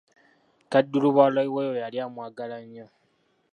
Kaddulubaale we oyo yali amwagala nnyo.